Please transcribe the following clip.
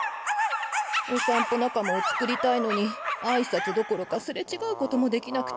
お散歩仲間を作りたいのに挨拶どころかすれ違うこともできなくて。